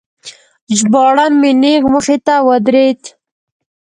ژباړن مې نیغ مخې ته ودرید.